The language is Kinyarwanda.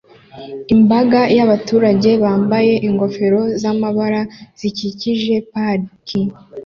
Imbaga yabaturage bambaye ingofero zamabara zikikije paki